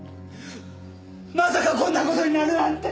まさかこんな事になるなんて！